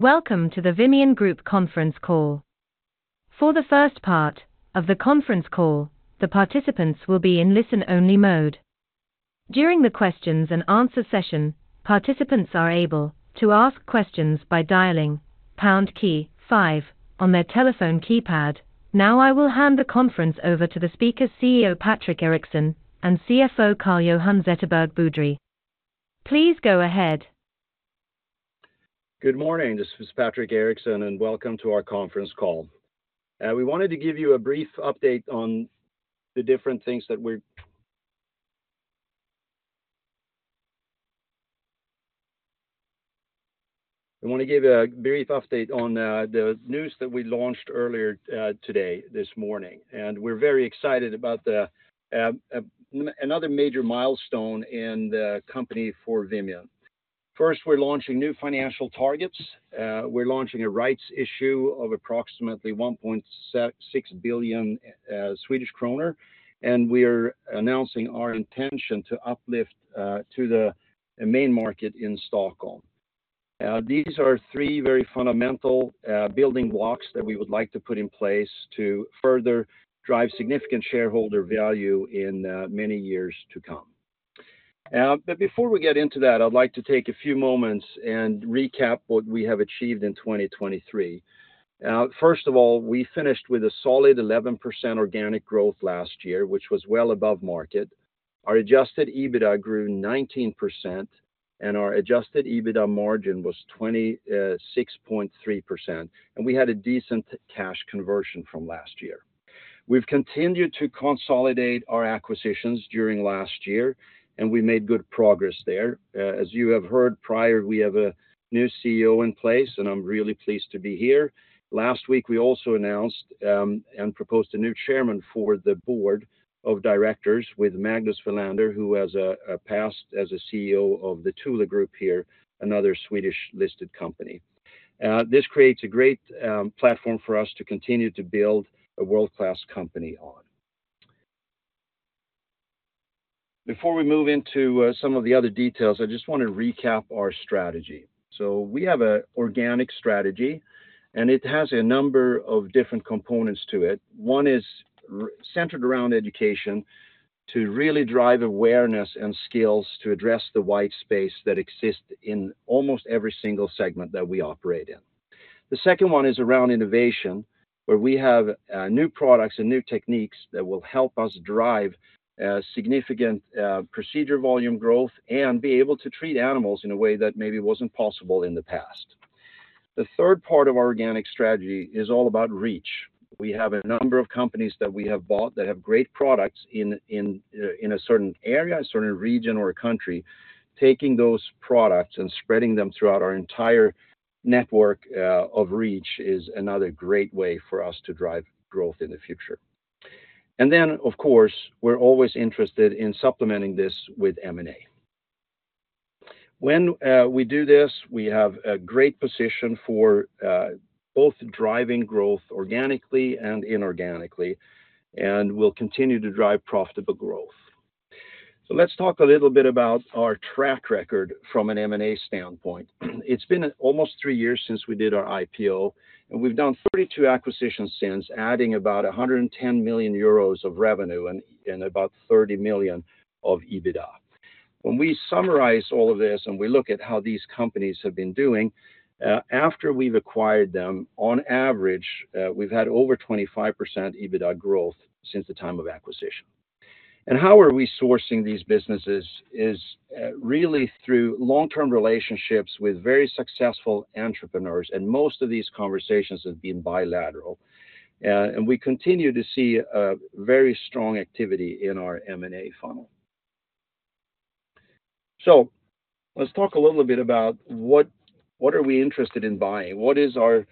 Welcome to the Vimian Group Conference Call. For the first part of the conference call, the participants will be in listen-only mode. During the questions-and-answers session, participants are able to ask questions by dialing pound key five on their telephone keypad. Now I will hand the conference over to the speakers, CEO Patrik Eriksson and CFO Carl-Johan Zetterberg Boudrie. Please go ahead. Good morning, this is Patrik Eriksson, and welcome to our conference call. We want to give you a brief update on the news that we launched earlier today, this morning, and we're very excited about another major milestone in the company for Vimian. First, we're launching new financial targets. We're launching a rights issue of approximately 1.6 billion Swedish kronor, and we are announcing our intention to uplift to the Main Market in Stockholm. These are three very fundamental building blocks that we would like to put in place to further drive significant shareholder value in many years to come. But before we get into that, I'd like to take a few moments and recap what we have achieved in 2023. First of all, we finished with a solid 11% organic growth last year, which was well above market. Our adjusted EBITDA grew 19%, and our adjusted EBITDA margin was 26.3%, and we had a decent cash conversion from last year. We've continued to consolidate our acquisitions during last year, and we made good progress there. As you have heard prior, we have a new CEO in place, and I'm really pleased to be here. Last week, we also announced and proposed a new chairman for the board of directors with Magnus Welander, who has a past as a CEO of the Thule Group here, another Swedish-listed company. This creates a great platform for us to continue to build a world-class company on. Before we move into some of the other details, I just want to recap our strategy. We have an organic strategy, and it has a number of different components to it. One is centered around education to really drive awareness and skills to address the white space that exists in almost every single segment that we operate in. The second one is around innovation, where we have new products and new techniques that will help us drive significant procedure volume growth and be able to treat animals in a way that maybe wasn't possible in the past. The third part of our organic strategy is all about reach. We have a number of companies that we have bought that have great products in a certain area, a certain region, or a country. Taking those products and spreading them throughout our entire network of reach is another great way for us to drive growth in the future. And then, of course, we're always interested in supplementing this with M&A. When we do this, we have a great position for both driving growth organically and inorganically, and we'll continue to drive profitable growth. So let's talk a little bit about our track record from an M&A standpoint. It's been almost three years since we did our IPO, and we've done 32 acquisitions since, adding about 110 million euros of revenue and about 30 million of EBITDA. When we summarize all of this and we look at how these companies have been doing, after we've acquired them, on average, we've had over 25% EBITDA growth since the time of acquisition. And how are we sourcing these businesses is really through long-term relationships with very successful entrepreneurs, and most of these conversations have been bilateral. And we continue to see very strong activity in our M&A funnel. So let's talk a little bit about what are we interested in buying? What is our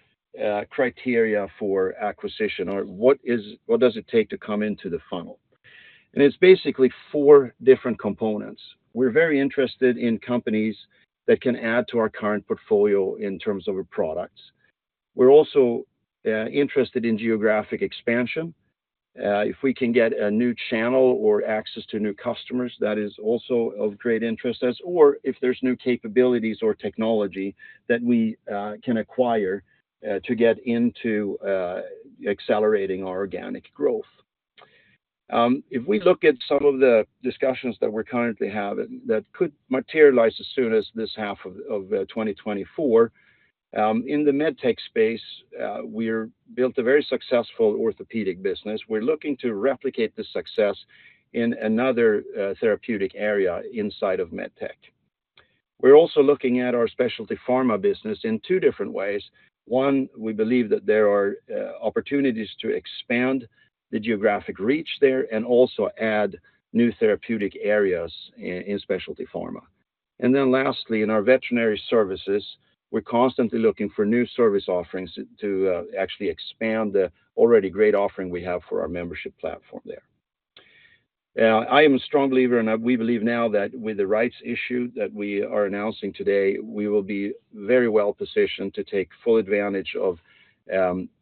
criteria for acquisition, or what does it take to come into the funnel? And it's basically four different components. We're very interested in companies that can add to our current portfolio in terms of products. We're also interested in geographic expansion. If we can get a new channel or access to new customers, that is also of great interest to us, or if there's new capabilities or technology that we can acquire to get into accelerating our organic growth. If we look at some of the discussions that we're currently having that could materialize as soon as this half of 2024, in the MedTech space, we've built a very successful orthopedic business. We're looking to replicate this success in another therapeutic area inside of MedTech. We're also looking at our Specialty Pharma business in two different ways. One, we believe that there are opportunities to expand the geographic reach there and also add new therapeutic areas in Specialty Pharma. And then lastly, in our Veterinary Services, we're constantly looking for new service offerings to actually expand the already great offering we have for our membership platform there. I am a strong believer, and we believe now that with the rights issue that we are announcing today, we will be very well positioned to take full advantage of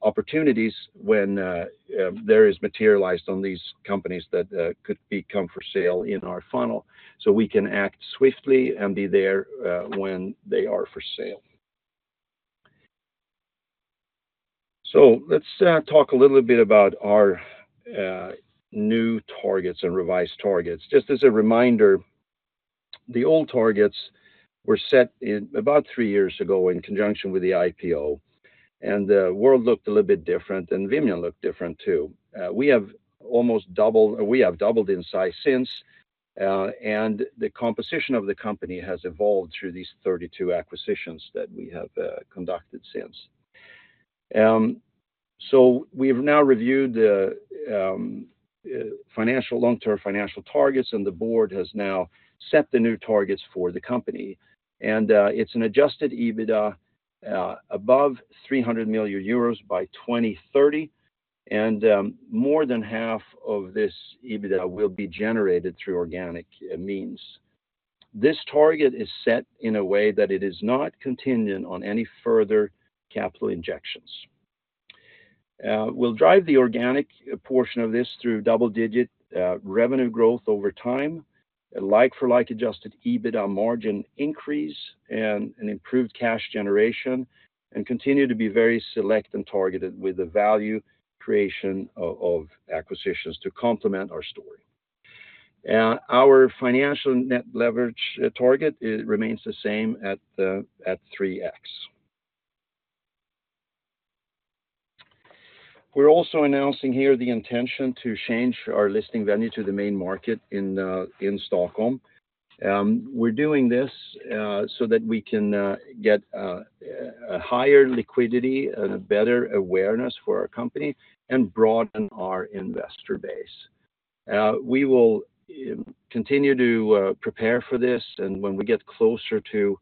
opportunities when there is materialized on these companies that could become for sale in our funnel so we can act swiftly and be there when they are for sale. So let's talk a little bit about our new targets and revised targets. Just as a reminder, the old targets were set about three years ago in conjunction with the IPO, and the world looked a little bit different, and Vimian looked different too. We have almost doubled in size since, and the composition of the company has evolved through these 32 acquisitions that we have conducted since. So we've now reviewed the long-term financial targets, and the board has now set the new targets for the company. And it's an adjusted EBITDA above 300 million euros by 2030, and more than half of this EBITDA will be generated through organic means. This target is set in a way that it is not contingent on any further capital injections. We'll drive the organic portion of this through double-digit revenue growth over time, like-for-like adjusted EBITDA margin increase, and an improved cash generation, and continue to be very select and targeted with the value creation of acquisitions to complement our story. Our financial net leverage target remains the same at 3x. We're also announcing here the intention to change our listing venue to the Main Market in Stockholm. We're doing this so that we can get higher liquidity and better awareness for our company and broaden our investor base. We will continue to prepare for this, and when we get closer to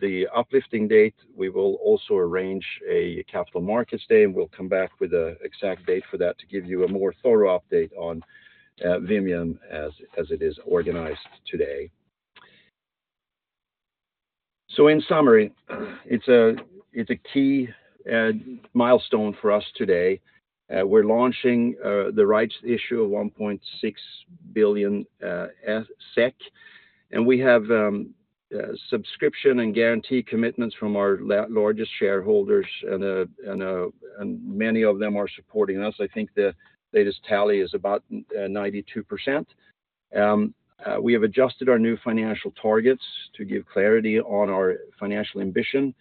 the uplifting date, we will also arrange a capital markets day, and we'll come back with the exact date for that to give you a more thorough update on Vimian as it is organized today. So in summary, it's a key milestone for us today. We're launching the rights issue of 1.6 billion SEK, and we have subscription and guarantee commitments from our largest shareholders, and many of them are supporting us. I think the latest tally is about 92%. We have adjusted our new financial targets to give clarity on our financial ambition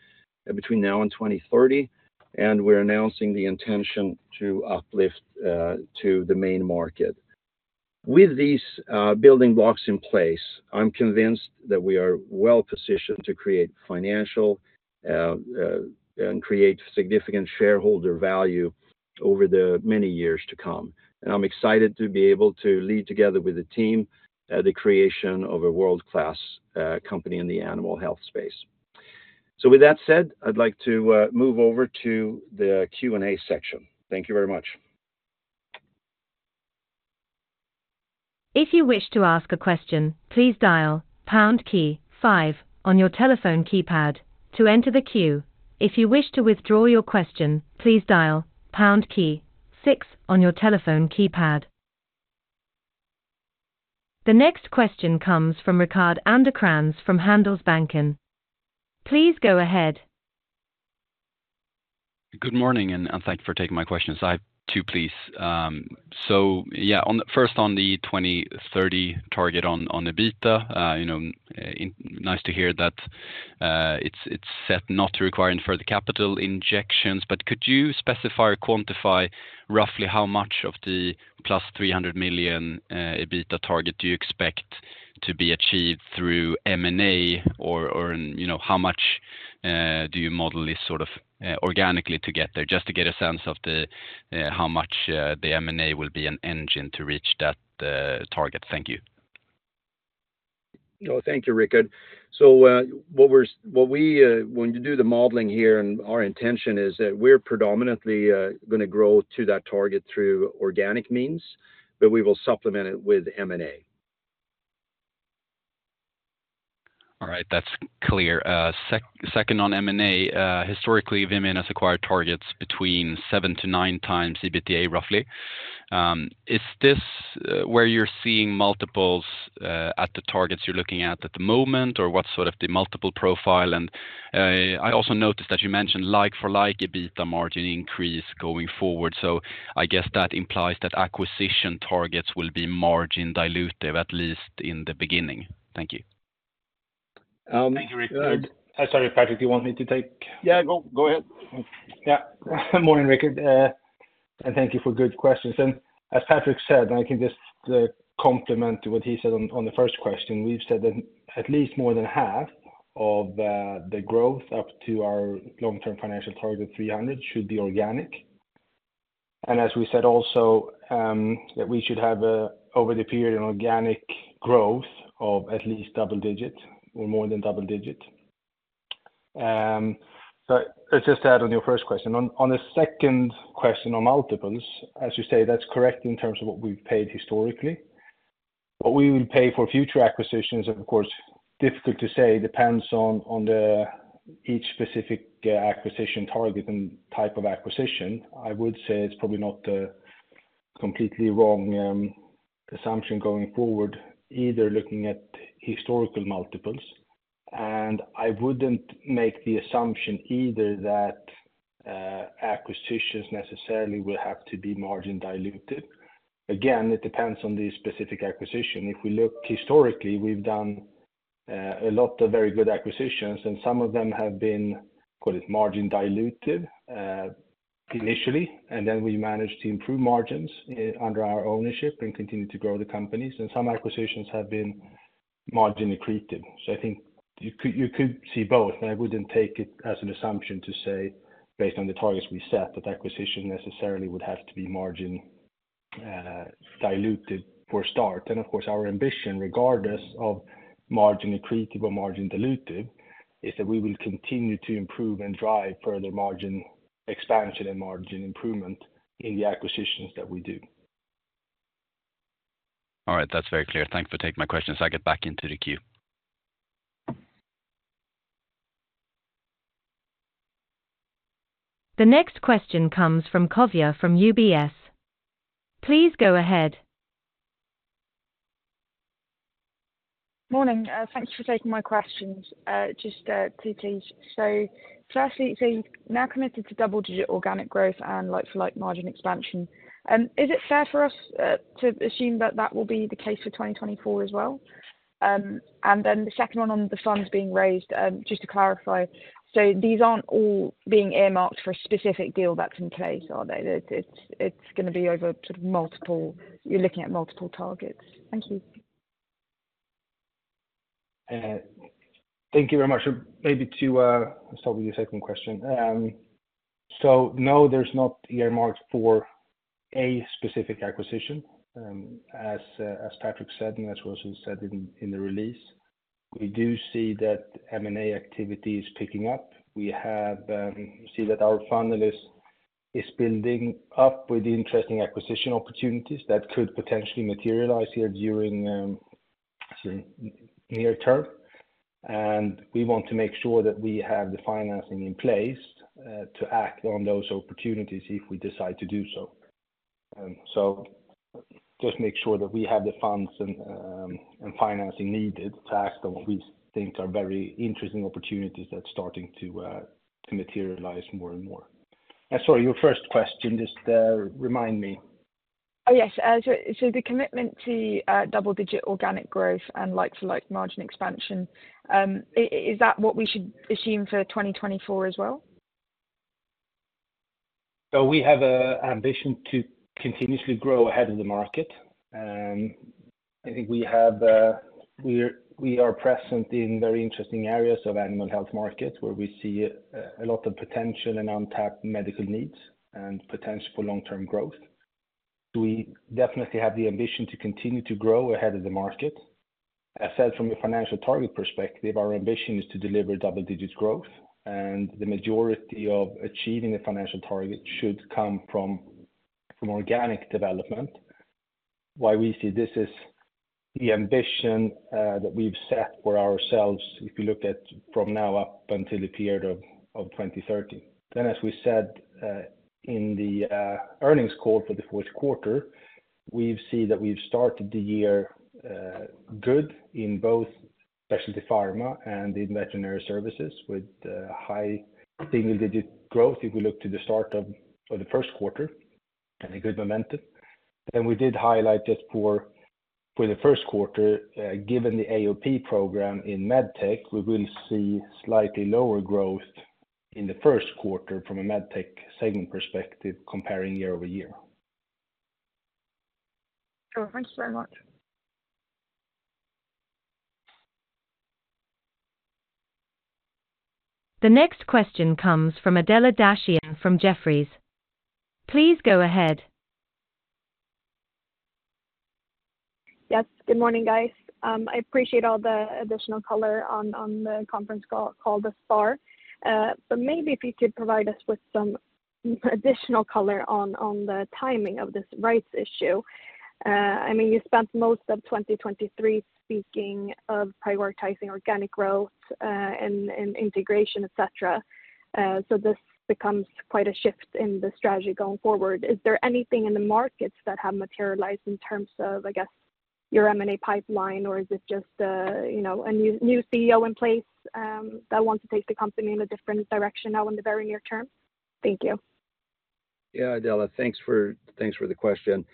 between now and 2030, and we're announcing the intention to uplift to the Main Market. With these building blocks in place, I'm convinced that we are well positioned to create financial and create significant shareholder value over the many years to come. I'm excited to be able to lead together with the team the creation of a world-class company in the animal health space. With that said, I'd like to move over to the Q&A section. Thank you very much. If you wish to ask a question, please dial pound key five on your telephone keypad to enter the queue. If you wish to withdraw your question, please dial pound key six on your telephone keypad. The next question comes from Rickard Anderkrans from Handelsbanken. Please go ahead. Good morning, and thanks for taking my questions. Me too, please. So yeah, first on the 2030 target on EBITDA, nice to hear that it's set not to require any further capital injections. But could you specify, quantify roughly how much of the plus 300 million EBITDA target do you expect to be achieved through M&A, or how much do you model this sort of organically to get there, just to get a sense of how much the M&A will be an engine to reach that target? Thank you. No, thank you, Rickard. When you do the modeling here, our intention is that we're predominantly going to grow to that target through organic means, but we will supplement it with M&A. All right, that's clear. Second on M&A, historically, Vimian has acquired targets between seven-nine times EBITDA, roughly. Is this where you're seeing multiples at the targets you're looking at at the moment, or what's sort of the multiple profile? And I also noticed that you mentioned like-for-like EBITDA margin increase going forward. So I guess that implies that acquisition targets will be margin dilutive, at least in the beginning. Thank you. Thank you, Rickard. Sorry, Patrik, do you want me to take? Yeah, go ahead. Yeah, morning, Rickard. And thank you for good questions. And as Patrik said, and I can just complement what he said on the first question, we've said that at least more than half of the growth up to our long-term financial target of 300 million should be organic. And as we said also, that we should have over the period an organic growth of at least double-digit or more than double-digit. So let's just add on your first question. On the second question on multiples, as you say, that's correct in terms of what we've paid historically. What we will pay for future acquisitions, of course, difficult to say, depends on each specific acquisition target and type of acquisition. I would say it's probably not a completely wrong assumption going forward, either looking at historical multiples. I wouldn't make the assumption either that acquisitions necessarily will have to be margin dilutive. Again, it depends on the specific acquisition. If we look historically, we've done a lot of very good acquisitions, and some of them have been, call it, margin dilutive initially, and then we managed to improve margins under our ownership and continue to grow the companies. And some acquisitions have been margin accretive. So I think you could see both, and I wouldn't take it as an assumption to say, based on the targets we set, that acquisition necessarily would have to be margin dilutive from the start. And of course, our ambition, regardless of margin accretive or margin dilutive, is that we will continue to improve and drive further margin expansion and margin improvement in the acquisitions that we do. All right, that's very clear. Thanks for taking my questions. I'll get back into the queue. The next question comes from Kavya from UBS. Please go ahead. Morning. Thank you for taking my questions, just to please. So firstly, it says, "Now committed to double-digit organic growth and like-for-like margin expansion." Is it fair for us to assume that that will be the case for 2024 as well? And then the second one on the funds being raised, just to clarify, so these aren't all being earmarked for a specific deal that's in place, are they? It's going to be over sort of multiple you're looking at multiple targets. Thank you. Thank you very much. Maybe too, let's talk about your second question. So no, there's not earmarked for a specific acquisition, as Patrik said, and as was said in the release. We do see that M&A activity is picking up. We see that our funnel is building up with interesting acquisition opportunities that could potentially materialize here during near term. And we want to make sure that we have the financing in place to act on those opportunities if we decide to do so. So just make sure that we have the funds and financing needed to act on what we think are very interesting opportunities that's starting to materialize more and more. And sorry, your first question, just remind me. Oh, yes. So the commitment to double-digit organic growth and like-for-like margin expansion, is that what we should assume for 2024 as well? So we have an ambition to continuously grow ahead of the market. I think we are present in very interesting areas of animal health markets where we see a lot of potential and untapped medical needs and potential for long-term growth. We definitely have the ambition to continue to grow ahead of the market. As said, from a financial target perspective, our ambition is to deliver double-digit growth, and the majority of achieving the financial target should come from organic development. Why we see this is the ambition that we've set for ourselves if you look at from now up until the period of 2030. Then, as we said in the earnings call for the fourth quarter, we've seen that we've started the year good in both Specialty Pharma and in Veterinary Services with high single-digit growth if we look to the start of the first quarter and a good momentum. Then we did highlight just for the first quarter, given the AOP program in MedTech, we will see slightly lower growth in the first quarter from a MedTech segment perspective comparing year-over-year. Thank you very much. The next question comes from Adela Dashian from Jefferies. Please go ahead. Yes, good morning, guys. I appreciate all the additional color on the conference call thus far. But maybe if you could provide us with some additional color on the timing of this rights issue. I mean, you spent most of 2023 speaking of prioritizing organic growth and integration, etc. So this becomes quite a shift in the strategy going forward. Is there anything in the markets that have materialized in terms of, I guess, your M&A pipeline, or is it just a new CEO in place that wants to take the company in a different direction now in the very near term? Thank you. Yeah, Adela, thanks for the question.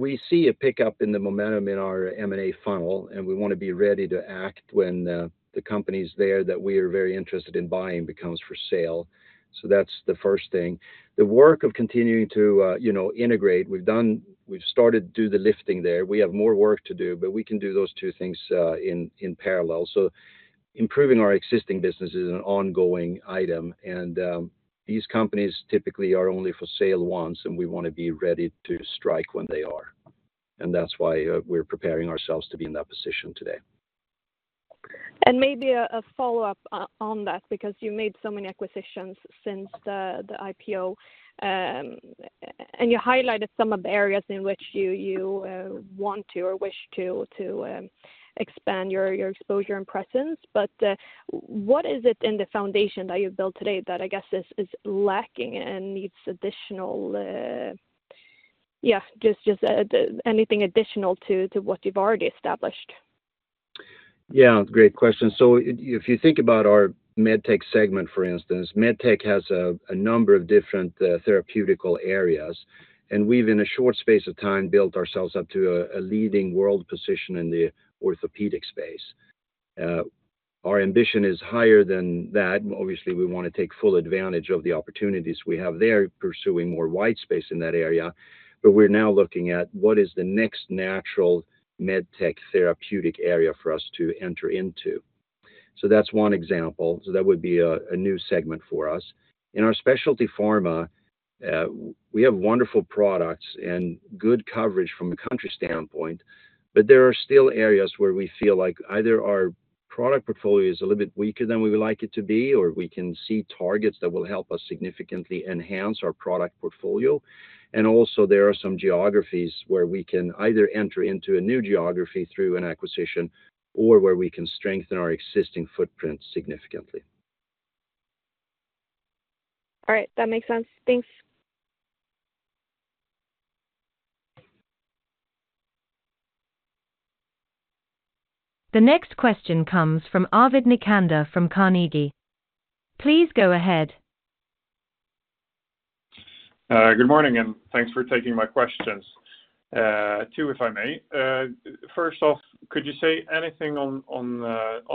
We see a pickup in the momentum in our M&A funnel, and we want to be ready to act when the company's there that we are very interested in buying becomes for sale. So that's the first thing. The work of continuing to integrate, we've started to do the lifting there. We have more work to do, but we can do those two things in parallel. So improving our existing business is an ongoing item, and these companies typically are only for sale once, and we want to be ready to strike when they are. And that's why we're preparing ourselves to be in that position today. Maybe a follow-up on that, because you made so many acquisitions since the IPO, and you highlighted some of the areas in which you want to or wish to expand your exposure and presence. But what is it in the foundation that you've built today that, I guess, is lacking and needs additional yeah, just anything additional to what you've already established? Yeah, great question. So if you think about our MedTech segment, for instance, MedTech has a number of different therapeutic areas, and we've, in a short space of time, built ourselves up to a leading world position in the orthopedic space. Our ambition is higher than that. Obviously, we want to take full advantage of the opportunities we have there, pursuing more white space in that area. But we're now looking at what is the next natural MedTech therapeutic area for us to enter into. So that's one example. So that would be a new segment for us. In our specialty pharma, we have wonderful products and good coverage from a country standpoint, but there are still areas where we feel like either our product portfolio is a little bit weaker than we would like it to be, or we can see targets that will help us significantly enhance our product portfolio. And also, there are some geographies where we can either enter into a new geography through an acquisition or where we can strengthen our existing footprint significantly. All right, that makes sense. Thanks. The next question comes from Arvid Nikander from Carnegie. Please go ahead. Good morning, and thanks for taking my questions, too, if I may. First off, could you say anything on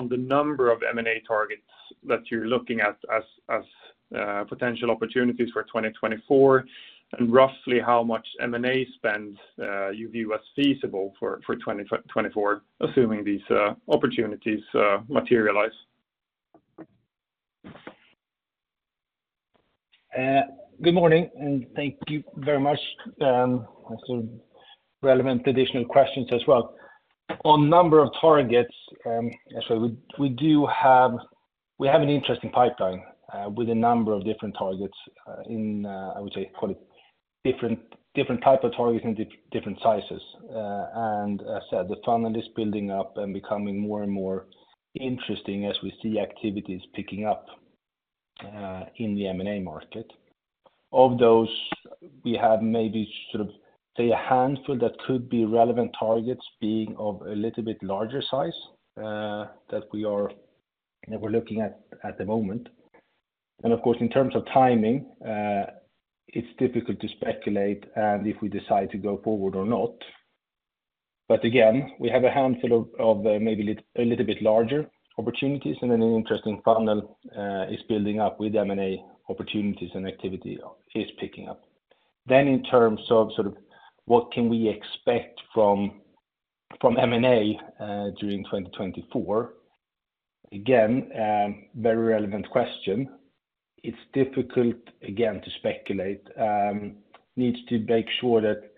the number of M&A targets that you're looking at as potential opportunities for 2024, and roughly how much M&A spend you view as feasible for 2024, assuming these opportunities materialize? Good morning, and thank you very much. Sort of relevant additional questions as well. On number of targets, actually, we have an interesting pipeline with a number of different targets in, I would say, call it different type of targets and different sizes. And as said, the funnel is building up and becoming more and more interesting as we see activities picking up in the M&A market. Of those, we have maybe sort of, say, a handful that could be relevant targets being of a little bit larger size that we're looking at at the moment. And of course, in terms of timing, it's difficult to speculate if we decide to go forward or not. But again, we have a handful of maybe a little bit larger opportunities, and then an interesting funnel is building up with M&A opportunities and activity is picking up. In terms of sort of what can we expect from M&A during 2024, again, very relevant question. It's difficult, again, to speculate. Needs to make sure that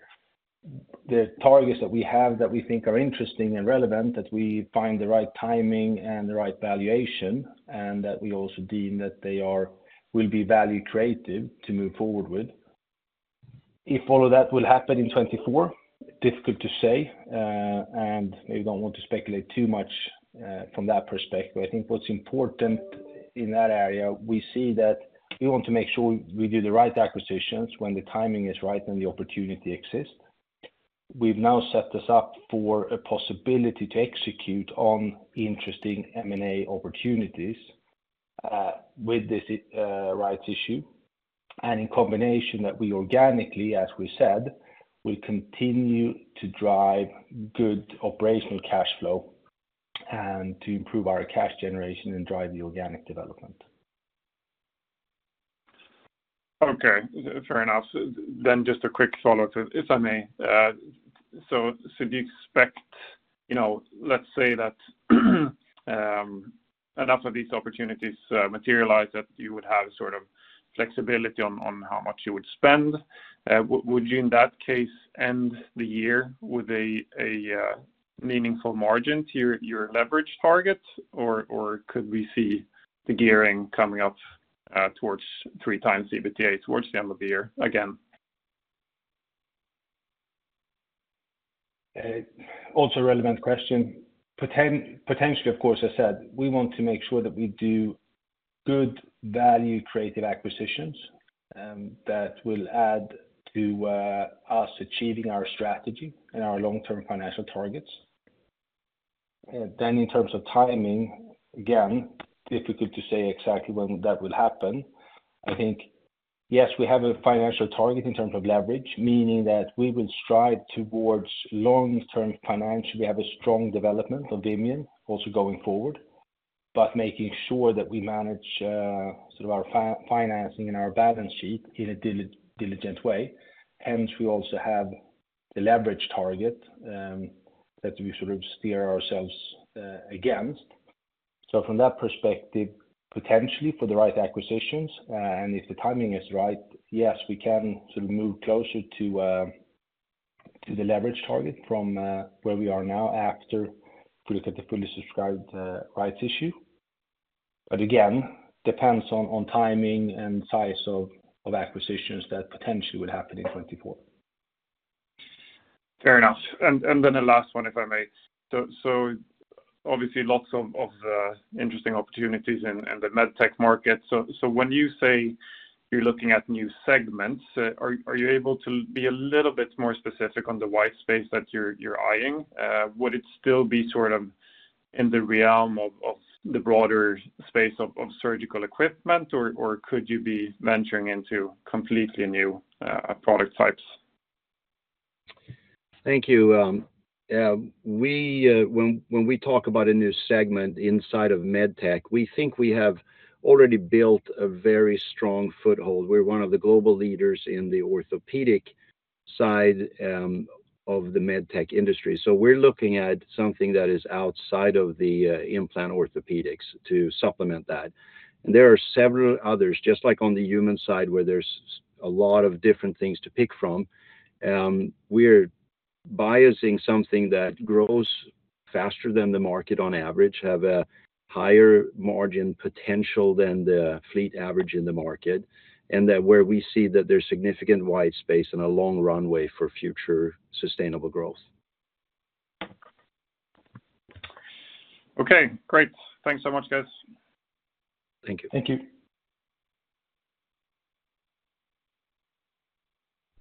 the targets that we have that we think are interesting and relevant, that we find the right timing and the right valuation, and that we also deem that they will be value-creative to move forward with. If all of that will happen in 2024, difficult to say, and maybe don't want to speculate too much from that perspective. I think what's important in that area, we see that we want to make sure we do the right acquisitions when the timing is right and the opportunity exists. We've now set this up for a possibility to execute on interesting M&A opportunities with this rights issue. In combination, that we organically, as we said, will continue to drive good operational cash flow and to improve our cash generation and drive the organic development. Okay, fair enough. Then just a quick follow-up, if I may. So do you expect, let's say, that enough of these opportunities materialize that you would have sort of flexibility on how much you would spend? Would you, in that case, end the year with a meaningful margin to your leverage target, or could we see the gearing coming up towards 3x EBITDA towards the end of the year again? Also relevant question. Potentially, of course, as said, we want to make sure that we do good value-creative acquisitions that will add to us achieving our strategy and our long-term financial targets. Then in terms of timing, again, difficult to say exactly when that will happen. I think, yes, we have a financial target in terms of leverage, meaning that we will strive towards long-term financial. We have a strong development of Vimian also going forward, but making sure that we manage sort of our financing and our balance sheet in a diligent way. Hence, we also have the leveraged target that we sort of steer ourselves against. So from that perspective, potentially for the right acquisitions, and if the timing is right, yes, we can sort of move closer to the leveraged target from where we are now after we look at the fully subscribed rights issue. But again, depends on timing and size of acquisitions that potentially will happen in 2024. Fair enough. And then the last one, if I may. So obviously, lots of interesting opportunities in the MedTech market. So when you say you're looking at new segments, are you able to be a little bit more specific on the white space that you're eyeing? Would it still be sort of in the realm of the broader space of surgical equipment, or could you be venturing into completely new product types? Thank you. When we talk about a new segment inside of MedTech, we think we have already built a very strong foothold. We're one of the global leaders in the orthopedic side of the MedTech industry. So we're looking at something that is outside of the implant orthopedics to supplement that. And there are several others, just like on the human side where there's a lot of different things to pick from. We're biasing something that grows faster than the market on average, have a higher margin potential than the fleet average in the market, and where we see that there's significant white space and a long runway for future sustainable growth. Okay, great. Thanks so much, guys. Thank you.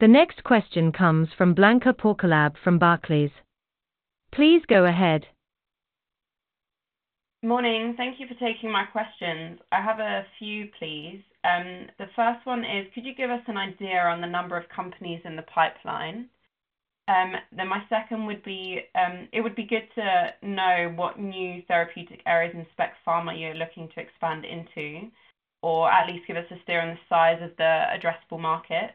Thank you. The next question comes from Blanka Porkolab from Barclays. Please go ahead. Morning. Thank you for taking my questions. I have a few, please. The first one is, could you give us an idea on the number of companies in the pipeline? Then my second would be, it would be good to know what new therapeutic areas in Specialty Pharma you're looking to expand into, or at least give us a steer on the size of the addressable market.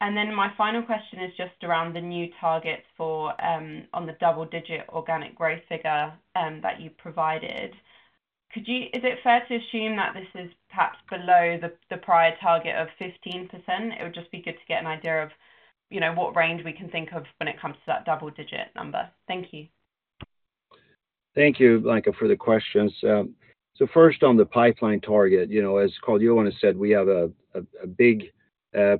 And then my final question is just around the new targets on the double-digit organic growth figure that you provided. Is it fair to assume that this is perhaps below the prior target of 15%? It would just be good to get an idea of what range we can think of when it comes to that double-digit number. Thank you. Thank you, Blanka, for the questions. So first, on the pipeline target, as Carl-Johan said, we have a big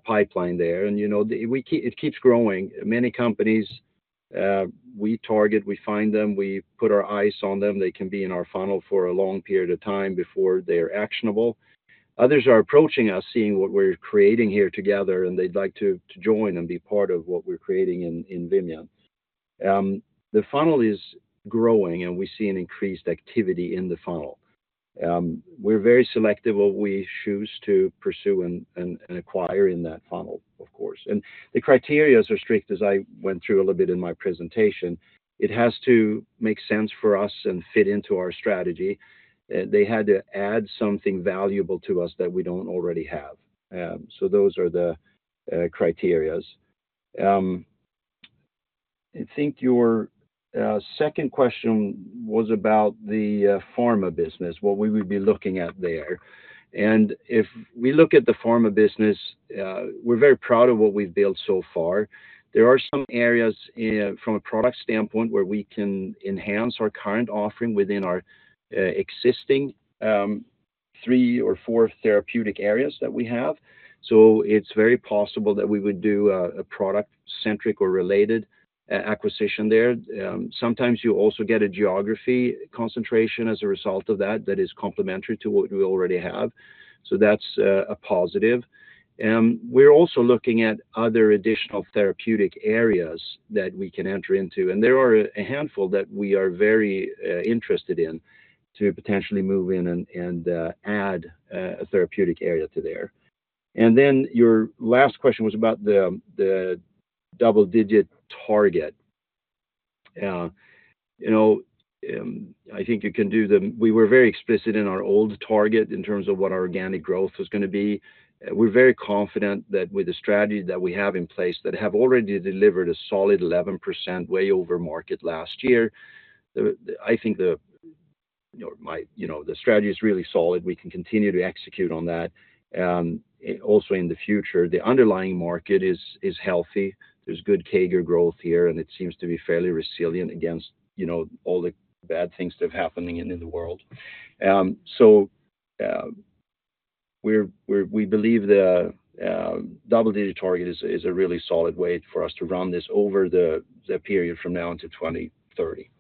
pipeline there, and it keeps growing. Many companies, we target, we find them, we put our eyes on them. They can be in our funnel for a long period of time before they're actionable. Others are approaching us, seeing what we're creating here together, and they'd like to join and be part of what we're creating in Vimian. The funnel is growing, and we see an increased activity in the funnel. We're very selective what we choose to pursue and acquire in that funnel, of course. And the criteria are strict, as I went through a little bit in my presentation. It has to make sense for us and fit into our strategy. They had to add something valuable to us that we don't already have. So those are the criteria. I think your second question was about the pharma business, what we would be looking at there. And if we look at the pharma business, we're very proud of what we've built so far. There are some areas from a product standpoint where we can enhance our current offering within our existing three or four therapeutic areas that we have. So it's very possible that we would do a product-centric or related acquisition there. Sometimes you also get a geography concentration as a result of that that is complementary to what we already have. So that's a positive. We're also looking at other additional therapeutic areas that we can enter into, and there are a handful that we are very interested in to potentially move in and add a therapeutic area to there. And then your last question was about the double-digit target. I think you can see we were very explicit in our old target in terms of what our organic growth was going to be. We're very confident that with the strategy that we have in place that have already delivered a solid 11% way over market last year. I think the strategy is really solid. We can continue to execute on that. Also in the future, the underlying market is healthy. There's good CAGR growth here, and it seems to be fairly resilient against all the bad things that are happening in the world. So we believe the double-digit target is a really solid way for us to run this over the period from now until 2030.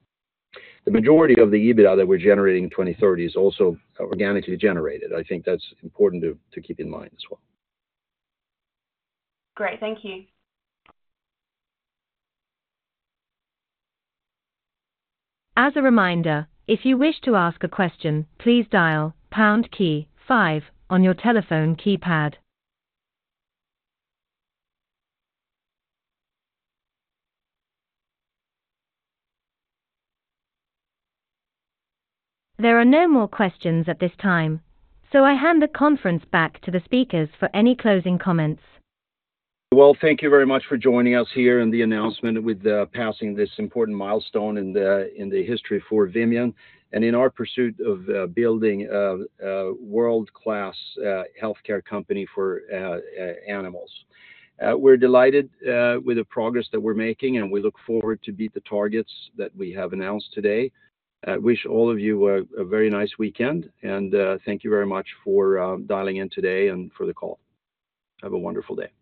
The majority of the EBITDA that we're generating in 2030 is also organically generated. I think that's important to keep in mind as well. Great. Thank you. As a reminder, if you wish to ask a question, please dial pound key five on your telephone keypad. There are no more questions at this time, so I hand the conference back to the speakers for any closing comments. Well, thank you very much for joining us here and the announcement with passing this important milestone in the history for Vimian and in our pursuit of building a world-class healthcare company for animals. We're delighted with the progress that we're making, and we look forward to beat the targets that we have announced today. Wish all of you a very nice weekend, and thank you very much for dialing in today and for the call. Have a wonderful day.